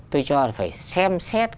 tôi cho là phải xem xét